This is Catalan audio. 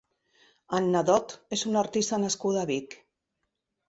Anna Dot és una artista nascuda a Vic.